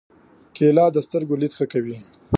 کېله د سترګو لید ښه کوي.